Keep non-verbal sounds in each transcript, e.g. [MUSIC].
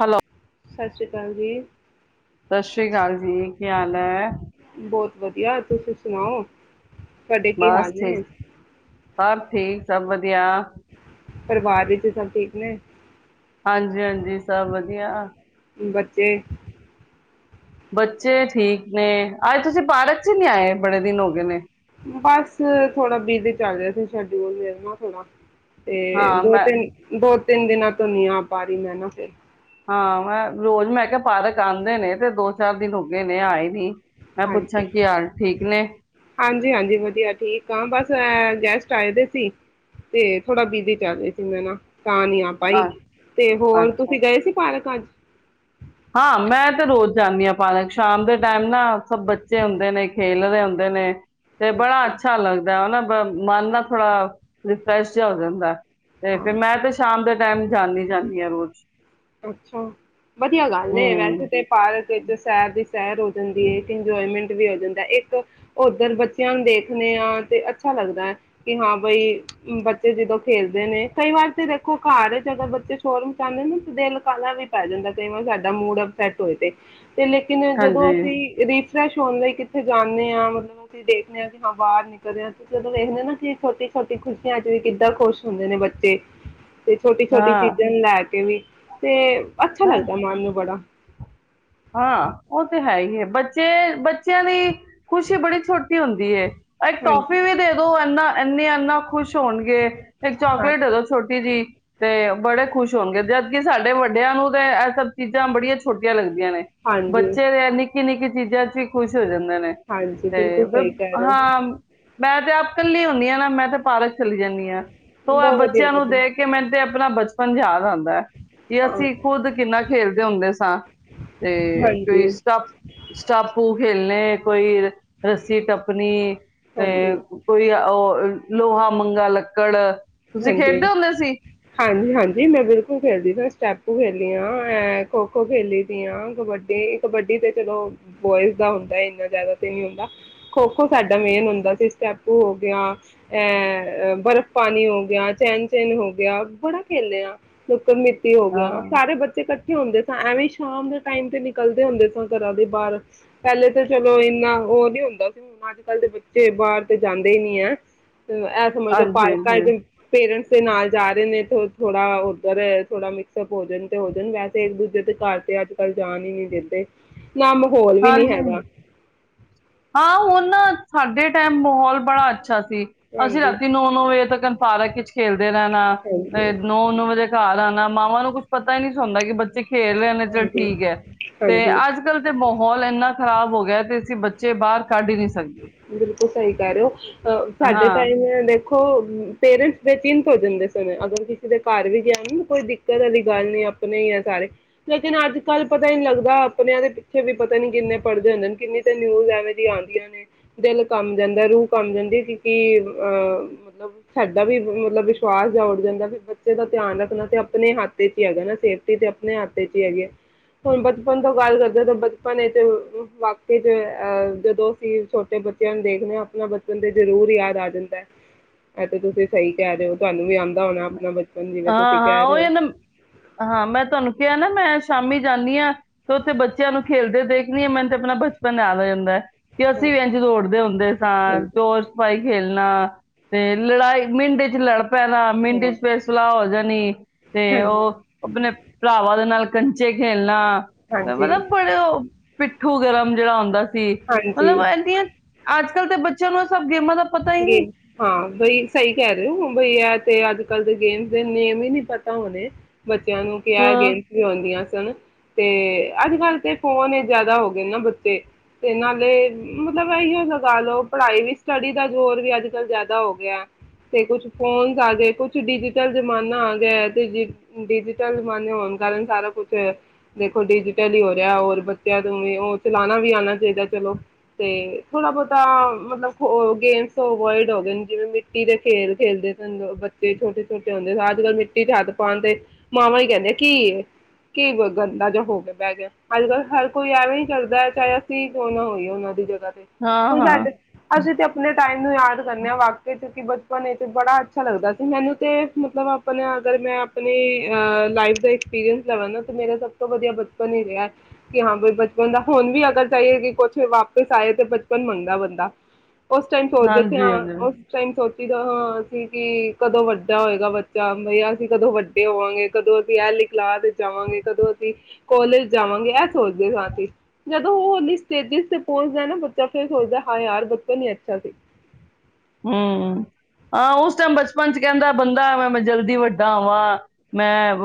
Hello ਸਤਿ ਸ਼੍ਰੀ ਅਕਾਲ ਜੀ ਸਤਿ ਸ੍ਰੀ ਅਕਾਲ ਜੀ ਪਿਆਲ ਹੈ ਬਹੁਤ ਵਧੀਆ ਤੁਸੀਂ ਸੁਣਾਓ ਤੁਹਾਡੇ ਕੀ ਬਸ ਹਾਲ ਥੀ ਨੇ? ਸ ਠੀਕ ਸੰਮਤ ਆ ਪਰਿਵਾਰ ਵਿੱਚ ਸਭ ਠੀਕ ਨੇ ਹਾਂਜੀ ਹਾਂਜੀ ਸਭ ਵਧੀਆ ਬੱਚੇ ਬੱਚੇ ਠੀਕ ਨੇ ਆਏ ਤੁਸੀਂ ਪਾਰਕ ਚ ਨਹੀਂ ਆਏ ਬੜੇ ਦਿਨ ਹੋ ਗਏ ਨੇ ਬਸ ਥੋੜਾ ਬਿਜ਼ੀ ਚੱਲ ਰਿਹਾ ਸੀ ਸ਼ਡਿਊਲ ਮੇਣਾ ਥੋੜਾ ਤੇ ਹਾਂ ਦੋ ਮੈਂ ਤਿੰਨ ਦੋ ਤਿੰਨ ਦਿਨਾਂ ਤੋਂ ਨੀ ਆ ਪਾ ਰਹੀ ਮੈਂ ਨਾ ਫਿਰ ਹਾਂ, ਮੈਂ ਰੋਜ਼ ਮੈਂ ਕਿਹਾ ਪਾਰਕ ਆਂਦੇ ਨੇ ਤੇ ਦੋ ਚਾਰ ਦਿਨ ਹੋ ਗਏ ਨੇ ਆਏ ਨੀ ਮੈਂ ਪੁੱਛਾਂ ਕੀ ਹਾਲ ਠੀਕ ਨੇ ਹਾਂਜੀ-ਹਾਂਜੀ, ਹਾਂਜੀ ਵਧੀਆ ਠੀਕ ਆ ਬਸ ਗੈਸਟ ਚਾਹੀਦੇ ਸੀ ਤੇ ਥੋੜਾ ਬਿਜੀ ਚੱਲਦੇ ਸੀ ਮੈਂ ਨਾ ਤਾਂ ਨੀ ਆ ਭਾਈ ਹਾਂ, ਤੇ ਹੋਰ ਅੱਛਾ ਤੁਸੀਂ ਗਏ ਸੀ ਪਾਰਕਾਂ ਚ ਹਾਂ, ਮੈਂ ਤੇ ਰੋਜ਼ ਜਾਂਦੀ ਹਾਂ ਪਾਰਕ ਸ਼ਾਮ ਦੇ ਟਾਈਮ ਨਾ ਸਭ ਬੱਚੇ ਹੁੰਦੇ ਨੇ ਖੇਲ ਰਹੇ ਹੁੰਦੇ ਨੇ। ਤੇ ਬੜਾ ਅੱਛਾ ਲੱਗਦਾ ਹਨਾ। ਮਨ ਨਾ ਥੋੜਾ ਰਿਫਰੈਸ਼ ਜਿਹਾ ਹੋ ਜਾਂਦਾ। ਤੇ ਫਿਰ ਹਾਂ। ਮੈਂ ਤੇ ਸ਼ਾਮ ਦੇ ਟਾਈਮ ਜਾਂਨੀ ਜਾਂਨੀ ਹਾਂ ਰੋਜ਼ ਅੱਛਾ, ਵਧੀਆ ਗੱਲ ਨੇ ਵੈਸੇ ਹੂੰ ਤੇ ਪਾਰਕ ਵਿੱਚ ਸੈਰ ਦੀ ਸੈਰ ਹੋ ਜਾਂਦੀ ਇੱਕ ਇੰਜੋਏਮੈਂਟ ਵੀ ਹੋ ਜਾਂਦਾ, ਇੱਕ ਉੱਧਰ ਬੱਚਿਆਂ ਨੂੰ ਦੇਖਦੇ ਆਂ ਤੇ ਅੱਛਾ ਲੱਗਦਾ ਹੈ ਕਿ ਹਾਂ ਬਾਈ ਬੱਚੇ ਜਦੋਂ ਖੇਲਦੇ ਨੇ ਕਈ ਵਾਰ ਤੇ ਦੇਖੋ ਘਰ ਚ ਅਗਰ ਬੱਚੇ ਸ਼ੋਅਰੂਮ ਕੱਲ ਨੂੰ ਦਿਲ ਕਾਹਲਾ ਵੀ ਪੈ ਜਾਂਦਾ, ਕਈ ਵਾਰ ਸਾਡਾ ਮੂਡ ਅਪਸੈਟ ਹੋਏ ਤੇ ਤੇ ਲੇਕਿਨ ਜਦੋਂ ਹਾਂਜੀ ਅਸੀਂ ਰੀਫ ਫਰੈਸ਼ ਹੋਣ ਲਈ ਕਿੱਥੇ ਜਾਂਨੇ ਆ ਮਤਲਬ ਅਸੀਂ ਦੇਖਦੇ ਆ ਕਿ ਹਾਂ ਬਾਹਰ ਨਿਕਲਦੇ ਹਾਂ, ਤੁਸੀਂ ਜਦੋਂ ਦੇਖਦੇ ਨਾ ਕਿ ਛੋਟੀ- ਛੋਟੀ ਖੁਸ਼ੀਆਂ ਚ ਵੀ ਕਿੱਦਾਂ ਖੁਸ਼ ਹੁੰਦੇ ਨੇ ਬੱਚੇ। ਤੇ ਛੋਟੀ- ਛੋਟੀ ਹਾਂ ਚੀਜ਼ਾਂ ਨੂੰ ਲੈ ਕੇ। ਐਵੀਂ [INAUDIBLE] ਤੇ। ਹਾਂ, ਹਾਂ ਉਹ ਤੇ ਹੈ ਹੀ ਹੈ। ਬੱਚੇ ਬੱਚਿਆਂ ਦੀ ਖ਼ੁਸ਼ੀ ਬੜੀ ਛੋਟੀ ਹੁੰਦੀ ਐ। ਇੱਕ ਹਾਂਜੀ। ਟੋਫੀ ਵੀ ਦੇ ਦੋ ਇੰਨਾ ਇੰਨੇ ਇੰਨਾ ਖੁਸ਼ ਹੋਣਗੇ। ਇੱਕ ਹਾਂ, ਚੌਕਲੇਟ ਦੇ ਦੋ ਛੋਟੀ ਜੀ। ਤੇ ਬੜੇ ਖੁਸ਼ ਹੋਣਗੇ ਜਦਕਿ ਸਾਡੇ ਵੱਡਿਆਂ ਨੂੰ ਤੇ ਇਹ ਸਭ ਚੀਜ਼ਾਂ ਬੜੀਆਂ ਛੋਟੀਆਂ ਲਗਦੀਆਂ। ਲਗਦੀਆਂ ਨੇ ਹਾਂਜੀ, ਬੱਚੇ ਦੇ ਨਿੱਕੀ- ਨਿੱਕੀ ਚੀਜ਼ਾਂ ਸੀ ਕੁ ਖੁਸ਼ ਹੋ ਜਾਂਦੇ ਨੇ ਹਾਂਜੀ ਤੇ ਬਿਲਕੁਲ ਸਹੀ ਫਿਰ ਕਹਿ ਰਹੇ ਹੋ ਹਾਂ ਮੈਂ ਤੇ ਆਪ ਕੱਲੀ ਹੁਨੀ ਮੈਂ ਤਾਂ ਪਾਰਕ ਚਲੀ ਜਾਂਦੀ ਆਂ। ਉਹ ਐ ਬਹੁਤ ਵਧੀਆ ਬੱਚਿਆਂ ਨੂੰ ਗੱਲ ਹੈ ਦੇਖ ਕੇ ਮੈਨੂੰ ਤੇ ਆਪਣਾ ਬਚ ਪੰਜਾਹ ਦਾ ਆ ਦਾ ਕਿ ਅਸੀਂ ਹਾਂ, ਖੁਦ ਕਿੰਨਾ ਖੇਲਦੇ ਹੁੰਦੇ ਸਾਂ ਤੇ ਹਾਂਜੀ, ਕੋਈ ਸਟਾਪ ਸਟਾਪੂ ਖੇਲ ਨੇ ਕੋਈ ਰੱਸੀ ਟੱਪਣੀ ਹਾਂਜੀ, ਤੇ ਕੋਈ ਉਹ ਲੋਹਾ ਮੰਗਾ ਲੱਕੜ ਤੁਸੀਂ ਹਾਂਜੀ, ਖੇਡਦੇ ਹੁੰਦੇ ਸੀ ਹਾਂਜੀ ਹਾਂਜੀ ਮੈਂ ਬਿਲਕੁਲ ਖੇਲਦੀ ਸਟੈਪ ਖੇਲੀ ਆ ਐ ਖੋ ਖੋ ਖੇਲੀ ਦੀ ਆ ਕਬੱਡੀ ਕਬੱਡੀ ਤੇ ਚਲੋ ਬੋਇਜ਼ ਦਾ ਹੁੰਦਾ ਇੰਨਾ ਜ਼ਿਆਦਾ ਤੇ ਨੀ ਹੁੰਦਾ ਖੋ ਖੋ ਸਾਡਾ ਮੇਨ ਹੁੰਦਾ ਸੀ ਸਟੈਪੂ ਹੋ ਗਿਆ ਅ ਬਰਫ਼ ਪਾਣੀ ਹੋ ਗਿਆ। ਗਿਆ ਚੈਨ ਚੈਨ ਹੋ ਗਿਆ ਬੜਾ ਖੇਲਦੇ ਆ। ਹੋ ਹਾਂ ਗਿਆ ਸਾਰੇ ਬੱਚੇੱ ਇੱ ਹੁੰਦੇ ਸ ਐਵੇਂ ਸ਼ਾਮ ਦੇ ਟਾਈਮ ਤੇ ਨਿਕਲਦੇ ਹੁੰਦੇ ਸਾਂ ਘਰਾਂ ਦੇ ਬਾਹਰ ਪਹਿਲੇ ਤੇ ਚਲੋ ਇਨਾ ਉਹ ਨੀ ਹੁੰਦਾ ਸੀ ਹੁਣ ਅੱਜ ਕੱਲ ਦੇ ਬੱਚੇ ਬਾਹਰ ਤੇ ਜਾਂਦੇ ਹੀ ਨੀ ਆ। ਇਹ ਸਮਝਦਾ ਹਾਂਜੀ ਹਾਂਜੀ ਪੇਰੈਂਟਸ ਦੇ ਨਾਲ ਜਾ ਰਹੇ ਨੇ। ਥੋੜਾ ਉੱਧਰ ਥੋੜਾ ਮਿਕਸਪ ਹੋ ਜਾਣ ਤੇ ਹੋ ਜਾਣ ਵੈਸੇ ਇੱਕ ਦੂਜੇ ਦੇ ਘਰ ਤੇ ਅੱਜ ਕੱਲ੍ਹ ਜਾਣ ਹੀ ਨਹੀਂ ਦਿੰਦੇ। ਨਾ ਮਾਹੌਲ ਵੀ ਨੀ ਹਾਂਜੀ ਹੈਗਾ। ਹਾਂ ਹੁਣ ਨਾ ਸਾਡੇ ਟਾਈਮ ਮਾਹੌਲ ਬੜਾ ਅੱਛਾ ਸੀ। ਅਸੀਂ ਹਾਂਜੀ ਰਾਤੀ ਨੌ ਨੌ ਵਜੇ ਤੱਕ ਸਾਰਾ ਕੁਛ ਖੇ ਰਹਿਣਾ ਤੇ ਹਾਂਜੀ ਨੋ ਨੋ ਵਜੇ ਘਰ ਆਉਣਾ ਮਾਵਾਂ ਨੂੰ ਕੁਛ ਪਤਾ ਹੀ ਨਹੀਂ ਸੀ ਹੁੰਦਾ ਕਿ ਬੱਚੇ ਖੇਲ ਰਹੇ ਨੇ ਚਲ ਹਾਂਜੀ ਠੀਕ ਹੈ ਤੇ ਹਾਂਜੀ ਅੱਜ ਕੱਲ ਤੇ ਮਾਹੌਲ ਇੰਨਾ ਖ਼ਰਾਬ ਹੋ ਗਿਆ ਤੇ ਅਸੀਂ ਬੇ ਬੱਚੇ ਬਾਹਰ ਕੱਢ ਹੀ ਨਹੀਂ ਸਕਦੇ ਬਿਲਕੁਲ ਸਹੀ ਕਰ ਰਹੇ ਹੋ ਅ ਸਾਡੇ ਹਾਂ ਟਾਈਮ ਦੇਖੋ ਪੇਰੈਂਟਸ ਦੇ ਚਿੰਤ ਹੋ ਜਾਂਦੇ ਸੁਣੇ ਅਗਰ ਕਿਸੇ ਦੇ ਘਰ ਵੀ ਗਿਆ ਨਾ ਕੋਈ ਦਿੱਕਤ ਵਾਲੀ ਗੱਲ ਨੀ ਆਪਣੇ ਆ ਸਾਰੇ ਲੇਕਿਨ ਅੱਜ ਕੱਲ ਪਤਾ ਹੀ ਨਹੀਂ ਲੱਗਦਾ ਆਪਣਿਆਂ ਦੇ ਇੱਥੇ ਵੀ ਪਤਾ ਨੀ ਕਿਨੇ ਪੜ੍ਹਦੇ ਹਨ ਕਿੰਨੇ ਨਿਊਜ਼ ਐਵੇਂ ਦੀਆਂ ਆਉਂਦੀਆਂ ਨੇ ਰੂਹ ਕਮ ਜਾਂਦੀ ਕਿਉਂਕਿ ਅਹ ਮਤਲਬ ਸਾਡਾ ਵੀ ਮਤਲਬ ਵਿਸ਼ਵਾਸ ਜਾ ਉੱਡ ਜਾਂਦਾ ਵੀ ਬੱਚੇ ਦਾ ਧਿਆਨ ਰੱਖਣਾ ਤੇ ਆਪਣੇ ਹੱਥ ਚ ਹੀ ਹੈਗਾ ਨਾ ਸੇਫਟੀ ਤੇ ਆਪਣੇ ਹੱਥ ਚ ਹੀ ਹੈਗੀ ਹੈ ਹੁਣ ਬਚਪਨ ਤੋਂ ਗੱਲ ਕਰਦੇ ਤਾਂ ਬਚਪਨ ਵਾਕ ਚ ਅਹ ਜਦੋਂ ਛੋਟੇ ਬੱਚਿਆਂ ਨੂੰ ਦੇਖਣੇ ਆਪਣਾ ਬਚਪਨ ਤੇ ਜਰੂਰ ਯਾਦ ਆ ਜਾਂਦਾ ਇਹ ਤੇ ਤੁਸੀਂ ਸਹੀ ਕਹਿ ਰਹੇ ਹੋ ਤੁਹਾਨੂੰ ਵੀ ਆ ਹਾਂ ਹਾਂ ਉਹ ਨਾ ਹਾਂ ਮੈਂ ਤੁਹਾਨੂੰ ਕਿਹਾ ਨਾ ਮੈਂ ਸ਼ਾਮੀ ਜਾਂਦੀ ਹਾਂ ਤੇ ਉੱਥੇ ਬੱਚਿਆਂ ਨੂੰ ਖੇਲਦੇ ਦੇਖਣੀ ਆ ਮੈਨੂੰ ਤੇ ਆਪਣਾ ਬਚਪਨ ਯਦ ਹੋ ਜਾਂਦਾ ਹੈ ਕਿ ਅਸੀਂ ਵੀ ਹਾਂਜੀ, ਇੰਝ ਦੌੜਦੇ ਹੁੰਦੇ ਸਾਂ ਹਾਂਜੀ, ਚੋਰ ਸਛਪਾਈ ਖੇਲਣਾ ਤੇ ਲੜਾਈ ਮਿੰਟ ਚ ਪੈਲਾਂ ਹਾਂ, ਮੈਨੂੰ ਫਿਰ ਸਲਾਹ ਹੋ ਜਾਣੀ ਤੇ ਹਾਂਜੀ, ਉਹ ਆਪਣੇ ਭਰਾਵਾਾਂ ਦੇ ਨਾਲ ਕੰਚੇ ਖੇਲਣਾ ਹਾਂਜੀ, ਮਤਲਬ ਬੜੇ ਉਹ ਪਿੱਠੂ ਗਰਮ ਜਿਹੜਾ ਆਉਂਦਾ ਤੇ ਮਤਲਬ ਹਾਂਜੀ। ਇਨੀਆ ਅੱਜ ਕੱਲ੍ਹ ਤੇ ਬੱਚਿਆਂ ਨੂੰ ਇਹ ਸਭ ਗੇਮਾਂ ਦਾ ਪਤਾ ਹੀ ਨਹੀਂ ਹਾਂ ਬਈ ਸਹੀ ਕਹਿ ਰਹੇ ਹੋ ਬਈ ਤੇ ਅੱਜ ਕੱਲ ਦੇ ਗੇਮਸ ਦੇ ਨੇਮ ਹੀ ਨਹੀ ਪਤਾ ਹੋਣੇ ਬੱਚਿਆਂ ਨੂੰ ਕਿਹਾ ਹਾਂ ਗੇਮਸ ਵੀ ਹੁੰਦੀਆ ਤੇ ਅੱਜ ਕੱਲ ਤੇ ਫੋਨ ਜਿਆਦਾ ਹੋ ਗਏ ਨਾ ਬੱਚੇ ਤੇ ਨਾਲੇ ਮਤਲਬ ਇਹੀ ਲਗਾ ਲਓ ਪੜ੍ਹਾਈ ਵੀ ਸਟੱਡੀ ਦਾ ਜ਼ੋਰ ਵੀ ਅੱਜ ਕੱਲ ਜ਼ਿਆਦਾ ਹੋ ਗਿਆ ਤੇ ਕੁਛ ਫੋਨ ਆ ਗਏ ਕੁਛ ਡਿਜੀਟਲ ਜ਼ਮਾਨਾ ਆ ਗਿਆ ਤੇ ਡਿਜੀਟਲ ਜ਼ਮਾਨੇ ਹੋਣ ਕਾਰਨ ਸਾਰਾ ਕੁਛ ਦੇਖੋ ਡਿਜੀਟਲ ਹੀ ਹੋ ਰਿਹਾ ਹੋਰ ਬੱਚਿਆਂ ਤੋਂ ਵੀ ਉਹ ਚਲਾਣਾ ਵੀ ਆਉਣਾ ਚਾਹੀਦਾ ਚਲੋ ਤੇ ਥੋੜਾ ਬਹੁਤਾ ਮਤਲਬ ਗੇਮਸ ਅਵੋਇਡ ਹੋ ਗਏ ਜਿਵੇਂ ਮਿੱਟੀ ਦੇ ਖੇਲ ਖੇਲਦੇ ਸਨ ਬੱਚੇ ਛੋਟੇ ਛੋਟੇ ਹੁੰਦੇ ਅੱਜ ਕੱਲ ਮਿੱਟੀ ਚ ਹੱਥ ਪਾਉਣ ਤੇ ਮਾਵਾ ਹੀ ਕਹਿੰਦੇ ਕੀ ਕੀ ਗੰਦਾ ਜਾਂ ਹੋ ਗਿਆ ਬਹਿ ਗਿਆ ਅੱਜ ਕੱਲ ਹਰ ਕੋਈ ਐਵੇਂ ਹੀ ਕਰਦਾ ਚਾਹੇ ਅਸੀਂ ਕਿਉਂ ਨਾ ਹੋਈਏ ਉਹਨਾ ਦੀ ਜਗ੍ਹਾ ਹਾਂ ਹੁਣ ਹਾਂ ਛੱਡ ਅਸੀਂ ਤੇ ਟਾਈਮ ਯਾਦ ਕਰਦੇ ਵਾਕ ਕਿਕਿ ਬਚਪਨ ਬੜਾ ਅੱਛਾ ਲੱਗਦਾ ਸੀ ਮੈਨੂੰ ਤੇ ਮਤਲਬ ਆਪਣਾ ਅਗਰ ਮੈਂ ਆਪਣੀ ਅ ਲਾਈ ਦਾ ਐਸਪੀਰੀੰਸ ਲਵਾਂ ਮੇਰਾ ਸਭ ਤੋਂ ਵਧੀਆ ਬਚਪਨ ਹੀ ਰਿਹਾ ਹੈ ਕਿ ਹਾਂ ਬ ਬਚਪਨ ਦਾ ਹੁਣ ਵੀ ਅਗਰ ਚਾਹੀਏ ਕਿ ਕੁਛ ਵਾਪਿਸ ਆਏ ਤੇ ਬਚਪਨ ਮੰਗਦਾ ਬੰਦਾ ਉਸ ਟਾਈਮ ਸੋਚਦੇ ਸੀ ਹਾਂਜੀ ਹਾਂ ਹਾਂਜੀ ਉਸ ਟਾਈਮ ਸੋਚ ਜਦ ਹਾਂ ਅਸੀਂ ਕਿ ਕਦੋਂ ਵੱਡਾ ਹੋਏਗਾ ਬੱਚਾ ਬਈ ਅਸੀਂ ਕਦੋਂ ਵੱਡੇ ਹੋਵਾਂਗੇ ਕਦੋਂ ਅਸੀਂ ਐਲੀ ਕਲਾਸ ਜਾਵਾਂਗੇ ਕਦੋਂ ਅਸੀਂ ਕੋਲੇਜ ਜਾਵਾਂਗੇ ਇਹ ਸੋਚਦੇ ਹਾਂ ਅਸੀਂ ਜਦੋਂ ਉਹ ਵਾਲੀ ਸਟੇਜਿਸ ਤੇ ਪਹੁੰਚਦਾ ਨਾ ਬੱਚਾ ਫੇਰ ਸੋਚਦਾ ਹਾਂ ਯਾਰ ਬੱਚਾ ਨੀ ਇਥੇ [UNINTELLIGIBLE] ਹਮ ਹਾਂ ਉਸ ਟਾਈਮ ਬਚਪਨ ਚ ਕਹਿੰਦਾ ਬੰਦਾ ਮੈਂ ਜਲਦੀ ਵੱਡਾ ਵਾਂ ਮੈਂ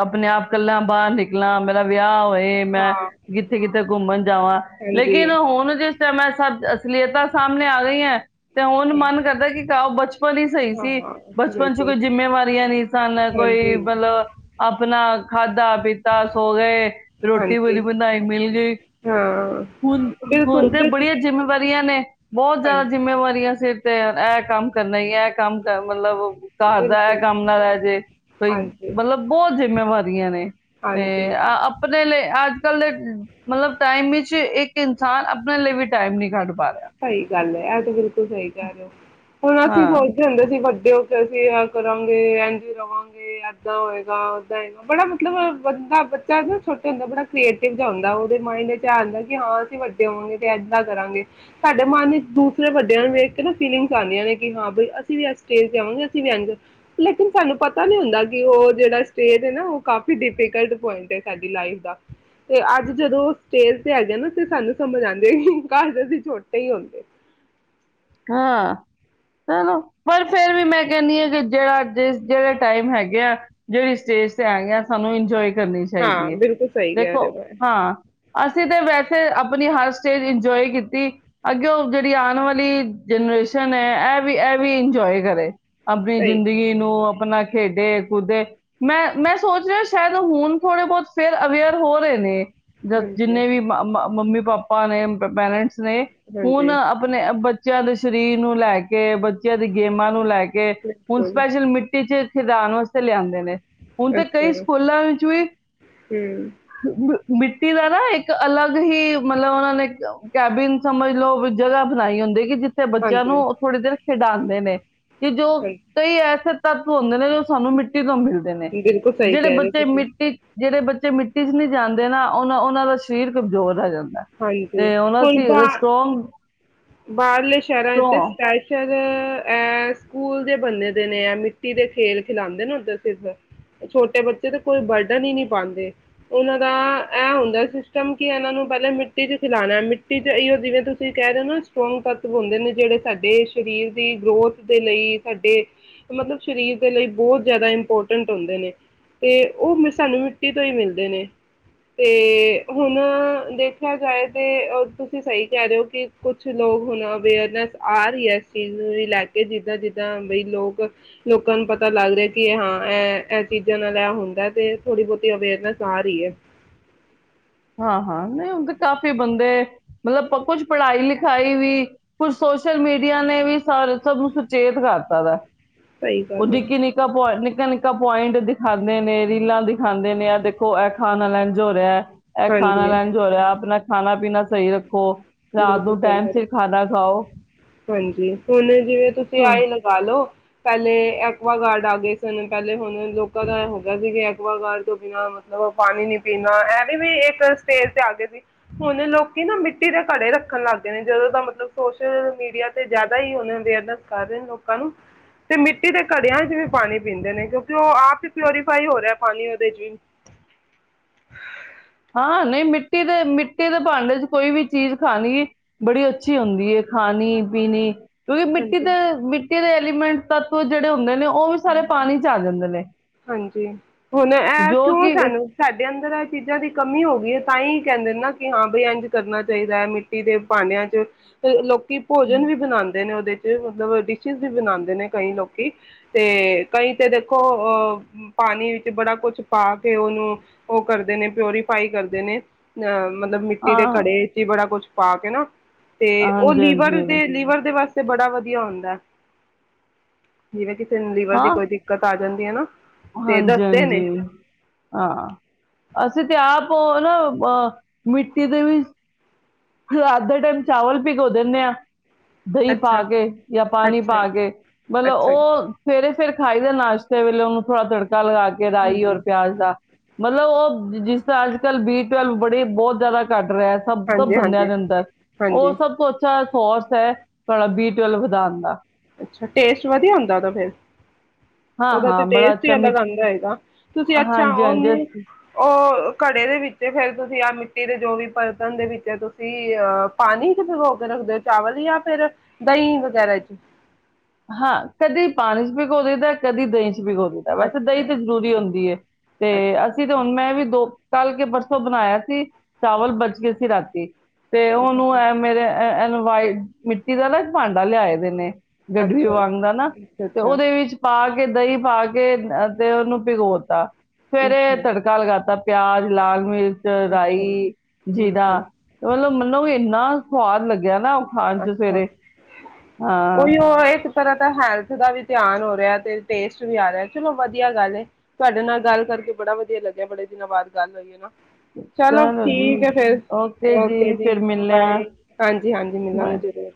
ਆਪਣੇ ਆਪ ਇਕੱਲਾ ਬਾਹਰ ਨਿਕਲਾ ਮੇਰਾ ਵਿਆਹ ਹੋਵੇ ਮੈਂ ਹਾਂ ਕਿੱਥੇ ਕਿੱਥੇ ਘੁੰਮਣ ਜਾਵਾਂ ਹਾਂਜੀ ਲੇਕਿਨ ਹੁਣ ਜੇ ਮੈਂ ਸਭ ਅਸਲੀਅਤਾਂ ਸਾਹਮਣੇ ਆ ਗਈ ਹੈ ਤੇ ਹੁਣ ਮਨ ਹਾਂ ਕਰਦਾ ਕਿ ਬਚ ਬਚਪਨ ਹੀ ਸਹੀ ਸੀ ਹਾਂ ਬਚਪਨ ਚ ਬਿਲਕੁਲ ਕੋਈ ਜਿੰਮੇਵਾਰੀਆਂ ਨਹੀ ਸਨ ਕੋਈ ਹਾਂਜੀ ਮਤਲਬ ਆਪਣਾ ਖਾਧਾ ਪੀਤਾ ਸੋ ਗਏ ਰੋਟੀ ਹਾਂਜੀ ਬਣੀ ਬਣਾਈ ਮਿਲ ਗਈ ਹਾਂ ਹੁਣ ਬਿਲਕੁਲ ਹੁਣ ਤੇ ਬਿਲਕੁਲ ਬੜੀਆਂ ਜਿੰਮੇਵਾਰੀਆਂ ਨੇ ਬਹੁਤ ਜ਼ਿਆਦਾ ਹਾਂਜੀ ਜਿੰਮੇਵਾਰੀਆਂ ਸਿਰ ਤੇ ਇਹ ਕੰਮ ਕਰਨਾ ਈ ਇਹ ਕੰਮ ਕਰਨ ਵਾਲਾ ਮਤਲਬ ਘਰ ਦਾ ਹੈ ਬਿਲਕੁਲ ਕੰਮ ਨਾਲ ਰਹਿ ਜਾਏ ਕੋਈ ਹਾਂਜੀ ਮਤਲਬ ਬਹੁਤ ਜਿੰਮੇਵਾਰ ਨੇ ਤੇ ਹਾਂਜੀ ਆਪਣੇ ਲਈ ਅੱਜ ਅੱਜ ਕੱਲ ਦੇ ਮਤਲਬ ਟਾਈਮ ਵਿੱਚ ਇੱਕ ਇਨਸਾਨ ਆਪਣੇ ਲਈ ਵੀ ਟਾਈਮ ਨੀ ਕੱਢ ਪਾ ਰਿਹਾ ਸਹੀ ਗੱਲ ਹੈ ਇਹ ਤਾਂ ਸਹੀ ਕਹਿ ਰਹੇ ਹੋ ਹੁਣ ਅਸੀਂ ਹਾਂ ਸੋਚ ਹੁੰਦੇ ਸੀ ਵੱਡੇ ਹੋ ਕੇ ਅਸੀਂ ਆ ਕਰਾਂਗੇ ਇ ਜ ਰਹਾਂਗੇ ਏਦਾਂ ਹੋਏਗਾ ਇਦਾ ਹੋਏਗਾ ਬੜਾ ਮਤਲਬ ਬੰਦਾ ਬੱਚਾ ਨਾ ਛੋਟੇ ਹੁੰਦਾ ਬੜਾ ਕ੍ਰੀਏਟਿਵ ਜਾਂ ਹੁੰਦਾ ਉਹਦੇ ਮਾਇੰਡ ਵਿੱਚ ਇਹ ਆਦਾ ਕਿ ਹਾਂ ਅਸੀਂ ਵੱਡੇ ਹੋਵਾਂਗੇ ਤੇ ਇਦਾਂ ਕਰਾਂਗੇ ਸਾਡੇ ਮੰਨ ਚ ਦੂਸਰੇ ਵੱਡਿਆਂ ਨੂੰ ਵੇਖਕੇ ਫੀਲਿੰਗਸ ਆਉਂਦੀਆਂ ਨੇ ਕਿ ਹਾਂ ਬਈ ਅਸੀਂ ਵੀ ਅ ਸਟੇਜ ਤੇ ਆਵਾਂਗੇ ਅਸੀਂ ਵੀ ਲੇਕਿਨ ਸਾਨੂੰ ਪਤਾ ਨੀ ਹੁੰਦਾ ਕਿ ਉਹ ਜਿਹੜਾ ਸਟੇਜ ਹੈ ਨਾ ਉਹ ਕਾਫੀ ਡਿਫੀਕਲਟ ਪੁਆਇੰਟ ਹੈ ਸਾਡੀ ਲਾਈਫ ਦਾ ਤੇ ਅੱਜ ਜਦੋਂ ਸਟੇਜ ਤੇ ਹੈਗੇ ਨਾ ਤੇ ਸਾਨੂੰ ਸਮਝ ਆਉਂਦੇ ਘਰ ਛੋਟੇ ਹੀ ਹੁੰਦੇ ਹਾਂ ਚਲੋ ਪਰ ਫਿਰ ਵੀ ਮੈਂ ਕਹਿੰਦੀ ਹਾਂ ਕਿ ਜਿਹੜਾ ਜਿਹੜੇ ਟਾਈਮ ਹੈਗੇ ਆ ਜਿਹੜੀ ਸਟੇਜ ਤੇ ਆ ਗਿਆ ਸਾਨੂੰ ਇੰਜੋਏ ਕਰਨੀ ਚਾਹੀਦੀ ਹਾਂ ਹੈ ਬਿਲਕੁਲ ਸਹੀ ਕਹਿ ਦੇਖੋ ਰਹੇ ਹੋ ਹਾਂ ਅਸੀਂ ਤਾਂ ਵੈਸੇ ਆਪਣੀ ਹਰ ਸਟੇਜ ਇੰਜੋਏ ਕੀਤੀ ਅੱਗੇ ਉਹ ਜਿਹੜੀ ਆਉਣ ਵਾਲੀ ਜਨਰੇਸ਼ਨ ਹੈ ਇਹ ਵੀ ਇਹ ਵੀ ਇੰਜੋਏ ਕਰੇ ਆਪਣੀ ਸਹੀ ਜ਼ਿੰਦਗੀ ਨੂੰ ਆਪਣਾ ਖੇਡੇ ਕੁਦੇੇ ਮੈਂ ਮੈਂ ਸੋਚ ਰਿਹਾ ਸ਼ਾਇਦ ਹੁਣ ਥੋੜੇ ਬਹੁਤ ਫੇਿਰ ਅਵੇਅਰ ਹੋ ਰਹੇ ਨੇ ਜ ਹਾਂਜੀ ਜਿੰਨੇ ਵੀ ਮ ਮੰਮੀ ਪਾਪਾ ਨੇ ਪੈਰੈਂਟਸ ਨੇ ਹੁਣ ਹਾਂਜੀ ਆਪਣੇ ਬੱਚਿਆਂ ਦੇ ਸਰੀਰ ਨੂੰ ਲੈ ਕੇ ਬੱਚਿਆਂ ਦੀ ਗੇਮਾਂ ਨੂੰ ਲੈ ਕੇ ਹੁਣ ਬਿਲਕੁਲ ਸਪੈਸ਼ਲ ਮਿੱਟੀ ਚ ਖਦਾਨ ਵਾਸਤੇ ਲਿਆਉਂ ਨੇ ਹੁਣ ਤਾਂ ਅੱਛਾ ਕਈ ਹੂੰ ਸਕੂਲਾਂ ਵਿੱਚ ਵੀ ਹਾਂਜੀ ਮ ਦਾ ਨਾ ਇੱਕ ਅਲੱਗ ਹੀ ਮਤਲਬ ਉਹਨਾਂ ਨੇ ਕੈਬਿਨ ਸਮਝ ਲੋਓ ਜਗ੍ਹਾ ਬਣਾਈ ਹੁੰਦੀ ਜਿੱਥੇ ਬੱਚਿਆਂ ਨੂੰ ਥੋੜ੍ਹੀ ਦੇਰ ਖਿਡਾਂਣ ਨੇ ਕਿ ਜੋ ਹਾਂਜੀ ਕਈ ਐਸਾ ਤੱਤਵ ਹੁੰਦੇ ਨੇ ਜੋ ਸਾਨੂੰ ਮਿੱਟੀ ਤੋਂ ਮਿਲਦਾ ਨੇ ਬਿਲਕੁਲ ਸਹੀ ਜਿਹੜੇ ਕਹਿ ਰਹੇ ਬੱਚੇ ਤੁਸੀਂ ਮਿੱਟੀ ਜਿਹੜੇ ਬੱਚੇ ਮਿੱਟੀ ਚ ਨਹੀਂ ਜਾਂਦੇ ਨਾ ਉਹ ਉਹਨਾਂ ਦਾ ਸਰੀਰ ਕਮਜ਼ੋਰ ਰ ਜਾਂਦਾ ਹਾਂਜੀ ਤੇ ਉਹਨਾਂ ਹੁਣ ਸੀ ਬਾ ਸਟਰੋਂਗ ਬਾਹਰਲੇ ਸ਼ਹਿਰਾਂ ਇੱਥੇ ਸਟਰੋਂਗ ਸਪੈਸ਼ ਇਹ ਸਕੂਲ ਦੇ ਬੰਦੇ ਦੇ ਨੇ ਮਿੱਟੀ ਦੇ ਖੇਲ ਖਿਲਾਾਂਂਦੇ ਨੇ ਉਧਰ ਸਿਰਫ ਛੋਟੇ ਬੱਚੇ ਤੇ ਕੋਈ ਬਰਡਨ ਹੀ ਨਹੀਂ ਪਾਉਂਦੇ ਉਹਨਾਂ ਦਾ ਇਹ ਹੁੰਦਾ ਸਿਸਟਮ ਕਿ ਇਹਨਾਂ ਨੂੰ ਪਹਿਲਾਂ ਮਿੱਟੀ ਮਿੱਟੀ ਚ ਖਿਲਾਣਾ ਮਿੱਟੀ ਚ ਜਿਵੇਂ ਤੁਸੀਂ ਕਹਿ ਰਹੇ ਹੋ ਨਾ ਸਟਰੋਂਗ ਤੱਤਵ ਹੁੰਦੇ ਨੇ ਜਿਹੜੇ ਸਾਡੇ ਸਰੀਰ ਦੀ ਗਰੋਥ ਦੇ ਲਈ ਸਾਡੇ ਮਤਲਬ ਸਰੀਰ ਦੇ ਲਈ ਬਹੁਤ ਜ਼ਿਆਦਾ ਇੰਪੋਰਟੈਂਟ ਹੁੰਦੇ ਨੇ ਤੇ ਉਹ ਸਾਨੂੰ ਮਿੱਟੀ ਤੋਂ ਹੀ ਮਿਲਦੇ ਨੇ ਤੇ ਹੁਣ ਦੇ ਦੇਖਿਆ ਜਾਏ ਤੇ ਤੁਸੀਂ ਸਹੀ ਕਹਿ ਰਹੇ ਹੋ ਕਿ ਕੁਛ ਲੋਕ ਹੁਣ ਅਵੇਅਰਨੈਸ ਆ ਰਹੀ ਹੈ ਇਸ ਚੀਜ਼ ਵੀ ਲੈ ਕੇ ਜਿੱਦਾਂ ਜਿੱਦਾਂ ਵੀ ਲੋਕ ਲੋਕਾਂ ਨੂੰ ਪਤਾ ਲੱਗ ਰਿਹਾ ਕਿ ਹਾਂ ਇਹ ਇਹ ਚੀਜ਼ਾਂ ਨਾਲ ਇਹ ਹੁੰਦਾ ਤੇ ਥੋੜ੍ਹੀ ਬਹੁਤੀ ਅਵੇਅਰਨੈਸ ਆ ਰਹੀ ਹੈ ਹਾਂ ਹਾਂ ਨਹੀਂ ਹੁਣ ਤੇ ਕਾਫੀ ਬੰਦੇ ਮਤਲਬ ਕੁਛ ਪੜ੍ਹਾਈ ਲਿਖਾਈ ਵੀ ਕੁਝ ਸੋਸ਼ਲ ਮੀਡੀਆ ਨੇ ਵੀ ਸ ਸਭ ਨੂੰ ਸੁਚੇਤ ਕਰਤਾ ਦਾ ਸਹੀ ਉਹ ਗੱਲ ਹੈ ਨਿੱਕੀ ਨਿੱਕਾ ਨਿੱਕਾ ਨਿੱਕਾ ਪੁਆਇੰਟ ਦਿਖਾਂਦੇ ਨੇ ਰੀਲਾਂ ਦਿਖਾਉਂਦੇ ਨੇ ਆ ਦੇਖੋ ਇਹ ਖਾਣਾ ਲਜ ਹੋ ਰਿਹਾ ਇਹ ਖਾਣਾ ਹਾਂਜੀ ਲੈਣ ਜੋ ਰੀਆਂ ਆਪਣਾ ਖਾਣਾ ਪੀਣਾ ਸਹੀ ਰੱਖੋ ਰਾਤ ਬਿਲਕੁਲ ਨੂੰ ਸਹੀ ਟਾਈਮ ਗੱਲ ਹੈ। ਤੇ ਖਾਣਾ ਖਾਓ ਹਾਂਜੀ ਹੁਨ ਜਿਵੇਂ ਤੁਸੀਂ ਹਮ, ਆਏ ਲਗਾਲੋ ਪਹਿਲੇ ਐਕੁਆਗਾਰਡ ਆ ਗਏ ਸਨ ਪਹਿਲੇ ਹੁਣ ਲੋਕਾਂ ਦਾ ਹੋ ਗਿਆ ਸੀ ਕਿ ਐਕੁਆਗਾਰਡ ਤੋਂ ਬਿਨਾਂ ਮਤਲਬ ਪਾਣੀ ਨੀ ਪੀਣਾ ਇਹ ਵੀ ਵੀ ਇੱਕ ਸਟੇਜ ਤੇ ਆ ਗਏ ਸੀ ਹੁਣ ਲੋਕੀ ਨਾ ਮਿੱਟੀ ਦੇ ਘੜੇ ਰੱਖਣ ਲੱਗਦੇ ਨੇ ਜਦੋਂ ਦਾ ਮਤਲਬ ਸੋਸ਼ਲ ਮੀਡੀਆ ਤੇ ਜ਼ਿਆਦਾ ਹੀ ਉਹਨ ਅਵੇਅਰਨੈਸ ਕਰ ਰਹੇ ਨੇ ਲੋਕਾਂ ਨੂੰ ਤੇ ਮਿੱਟੀ ਦੇ ਘੜਿਆਂ ਚ ਵੀ ਪਾਣੀ ਪੀਂਦੇ ਨੇ ਕਿਉਂਕਿ ਉਹ ਆਪ ਹੀ ਪਿਓਰੀਫਾਈ ਹੋ ਰਿਹਾ ਪਾਣੀ ਉਹਦੇ ਚ ਵੀ ਹਾਂ ਨਹੀਂ ਮਿੱਟੀ ਦੇ ਮਿੱਟੀ ਦੇ ਭਾਂਡੇ ਚ ਕੋਈ ਵੀ ਚੀਜ਼ ਖਾਣੀ ਬੜੀ ਅੱਛੀ ਹੁੰਦੀ ਹੈ ਖਾਣੀ ਪੀਣੀ ਕਿਉਂਕਿ ਮਿੱਟੀ ਤੇ ਹਾਂਜੀ ਮਿੱਟੀ ਦੇ ਲੀਮੈਂਟ ਤੱ ਜਿਹੜੇ ਹੁੰਦੇ ਨੇ ਉਹ ਵੀ ਸਾਰੇ ਪਾਣੀ 'ਚ ਆ ਜਾਂਦੇ ਨੇ ਹਾਂਜੀ ਹੁਣ ਇਹ ਜੋ ਕਿਉ ਕਿ ਸਾਨੂੰ ਸਾਡੇ ਅੰਦਰ ਆਹ ਚੀਜ਼ਾਂ ਕਮੀ ਹੋ ਗਈ ਹੈ ਤਾਂ ਹੀ ਕਹਿੰਦੇ ਨੇ ਨਾ ਕਿ ਹਾਂ ਬਈ ਇੰਝ ਕਰਨਾ ਚਾਹੀਦਾ ਹੈ ਮਿੱਟੀ ਦੇ ਭਾਂਡਿਆਂ ਚ ਲੋਕ ਕੀ ਭੋਜਨ ਵੀ ਬਣਾਂਦੇ ਨੇ ਉਹਦੇ ਮਤਲਬ ਡਿਸੇ਼ਸ ਵੀ ਬਣਾਉਂਦੇ ਨੇ, ਕਈ ਲੋਕੀ ਅਤੇ ਕਈ ਤਾਂ ਦੇਖੋ ਪਾਣੀ ਵਿੱਚ, ਬੜਾ ਕੁਛ ਪਾ ਕੇ ਉਹਨੂੰ ਉਹ ਕਰਦੇ ਨੇ ਪਿਓਰੀਫਾਈ ਕਰਦੇ ਨੇ ਅਹ ਮਤਲਬ ਮਿੱਟੀ ਦੇ ਹਾਂ ਘੜੇ ਚ ਹੀ ਬੜਾ ਕੁੱਛ ਪਾ ਕੇ ਨਾ ਤੇ ਉਹ ਹਾਂਜੀ ਲੀਵਰ ਹਾਂਜੀ ਦੇ ਲੀਵਰ ਦੇ ਵਾਸਤੇ ਤੇ ਬੜਾ- ਵਧੀਆ ਹੁੰਦਾ ਜਿਵੇਂ ਕਿ, ਲੀਵਰ ਦੀ ਕੋਈ ਦਿੱਕਤ ਆ ਜਾ ਜਾਂਦੀ ਹੈ ਨਾ ਤੇ ਦੱਸਦੇ ਨੇ ਹਾਂਜੀ-ਹਾਂਜੀ ਹਾਂ ਅਸੀਂ ਤੇ ਆਪ ਨਾ ਅ ਮਿੱਟੀ ਦੇ ਵੀ ਅੱਧ ਟਾਈਮ ਚਾਵਲ ਭਿਗਾੋ ਦਿੰਦੇ ਆ ਦਹੀਂ ਅੱਛਾ, ਪਾ ਕੇ, ਯਾ ਪਾਣੀ ਅੱਛਾ, ਪਾ ਕੇ ਮਤਲਬ ਅੱਛਾ ਉਹ ਸਵੇਰੇ ਫਿਰ ਖਾਈ ਦੇ ਨਾਸ਼ਤੇ ਵੇਲੇ ਉਹਨੂੰ ਥੋੜਾੜਕੇ ਮੱਕਾ ਲਗਾ ਕੇ ਰਾਈ ਹਾਂਜੀ, ਔਰ ਹਾਂਜੀ-ਹਾਂਜੀ, ਪਿਆਜ ਦਾ- ਮਤਲਬ ਉਹ ਜਿਸ ਤ ਅੱਜ ਕੱਲ੍ਹ ਬੀ ਟਵਲਵ ਬੜੇ ਬਹੁਤ ਜ਼ਿਆਦਾ ਘੱਟ ਰਿਹਾ ਸਭ ਬੰਦਿਆਂ ਹਾਂਜੀ, ਦੇ ਅੰਦਰ, ਉਹ ਹਾਂਜੀ, ਸਭ ਤੋਂ ਅੱਛਾ ਫੋਸ ਹੈ ਬੀ ਟਵਲਵ ਵਧਾਣ ਦਾ- ਅੱਛਾ ਟੇਸਟ ਵਧੀਆ ਹੁੰਦਾ ਓਦਾ ਫਿਰ, ਹਾਂ ਓਦਾ ਤੇ ਹਾਂ ਬੜਾ ਟੇਸਟ ਹੀ ਅੱਛਾ ਮਿੱ ਅਲੱਗ ਆਂਦਾ ਹੇਗਾ ਤੁਸੀਂ ਅੱਛਾ ਹਾਂਜੀ ਉਹਨੂੰ ਹਾਂਜੀ ਉਹ ਘੜੇ ਦੇ ਵਿੱਚ, ਫਿਰ ਤੁਸੀਂ ਆਹ ਮਿੱਟੀ ਦੇ, ਜੋ ਵੀ ਬਰਤਨ ਦੇ ਵਿੱਚ ਤੁਸੀਂ ਅ ਪਾਣੀ ਚ ਭਿਗੋ ਕੇ ਰੱਖਦੇ ਹੋ ਚਾਵਲ ਜਾਂ ਫਿਰ ਦਹੀਂ ਵਗੈਰਾ ਚ। ਹਾਂ ਕਦੇ ਪਾਣੀ ਚ ਭਿਗੋ ਦਦਾ ਕਦੀ ਦਹੀਂ ਚ ਦਾ ਵੈਸੇ ਦਹੀਂ ਅੱਛਾ, ਤੇ ਅੱਛਾ, ਜ਼ਰੂਰੀ ਹੁੰਦੀ ਏ ਤੇ ਅਸੀਂ ਤੇ ਅੱਛਾ ਹੁਣ ਮੈਂ ਵੀ ਦੋ ਕਲ ਕੇ ਪਰਸੋਂ ਬਣਾਇਆ ਸੀ ਚਾਵਲ ਬਚ ਗਏ ਸੀ ਰਾਤੀ ਤੇ ਚਲੋ ਉਹਨੂੰ ਵਧੀਆ ਐ ਹੈ। ਮੇਰੇ ਐ ਇਹਨੂੰ ਮਿੱਟੀ ਦਾ ਨਾ ਭਾਂਡਾ ਲਿਆਏ ਦੇ, ਨੇ ਗਡਵ ਅੱਛਾ, ਵਾਂਗਦਾ ਨਾ ਅੱਛਾ, ਤੇ ਅੱਛਾ, ਉਹਦੇ ਵਿੱਚ ਪਾ ਕੇ ਦਹੀਂ ਪਾ- ਕੇ ਤੇ ਉਹਨੂੰ ਭਿਗੋਤਾ ਸਵੇਰੇ ਅੱਛਾ, ਤੜਕਾ ਲਗਾ ਤਾ ਪਿਆਜ ਲਾਲ ਮਿਰਚ ਅੱਛਾ, ਰਾਈ-ਜੀਰਾ ਅੱਛਾ, ਮਤਲਬ ਮੈਨੂੰ ਵੀ ਇੰਨਾ ਫੁਹਾਰ ਲੱ ਗਿਆ ਨਾ ਉ ਖਾਨ ਚ ਅੱਛਾ ਸਵੇਰੇ ਹਾਂ ਉਹੀਓ ਇੱਕ ਤਰ੍ਹਾਂ ਤਾਂ ਹੈਲਥ ਦਾ ਵੀ ਧਿਆਨ ਹੋ ਰਿਹਾ, ਤੇ ਟੇਸਟ ਵੀ ਆ ਰਿਹਾ। ਚਲੋ ਵਧੀਆ ਗੱਲ ਤੁਹਾਡੇ ਨਾਲ ਗੱਲ ਕਰਕੇ ਬੜਾ ਵਧੀਆ ਲੱਗਿਆ, ਬੜੇ ਦਿਨਾਂ ਬਾਅਦ ਗੱਲ ਹੋਈਏ ਨਾ। ਚਲੋ ਠੀਕ ਹੈ ਫਿਰ ਓਕੇ ਜੀ ਫਿਰ ਮਿਲਦੇ ਆ ਬਾਏ ਹਾਂਜੀ-ਹਾਂਜੀ ਬਾਏ ਮਿਲਾਂਗੇ ਜਦੋਂ